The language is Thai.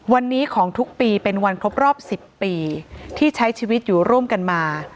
วันนี้ของทุกปีเป็นวันครบรอบ๑๐ปีที่ใช้ชีวิตอยู่ร่วมกันมา